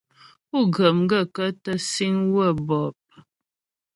Pú ghə́ m gaə̂kə́ tə síŋ waə̂ bɔ̂p ?